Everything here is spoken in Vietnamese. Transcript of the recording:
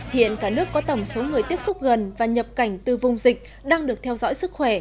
hiện cả nước có tổng số người tiếp xúc gần và nhập cảnh từ vùng dịch đang được theo dõi sức khỏe